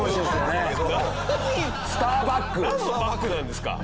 なんのバックなんですか？